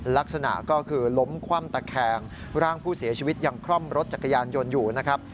ลักษณะก็คือล้มคว่ำตะแคงร่างผู้เสียชีวิตยังคล่อมรถจักรยานยนต์อยู่นะครับ